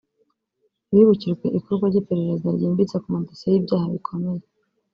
Bibukijwe ikorwa ry’iperereza ryimbitse ku madosiye y’ibyaha bikomeye